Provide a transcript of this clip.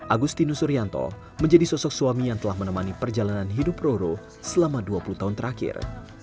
agustinus suryanto menjadi sosok suami yang telah menemani perjalanan hidup roro selama dua puluh tahun terakhir